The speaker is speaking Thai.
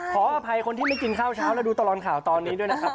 ขออภัยคนที่ไม่กินข้าวเช้าแล้วดูตลอดข่าวตอนนี้ด้วยนะครับ